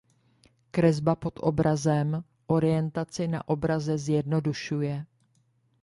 Kresba pod obrazem orientaci na obraze zjednodušuje.